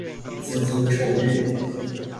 資金充裕